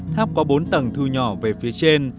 tháp có bốn tầng thư nhỏ về phía trên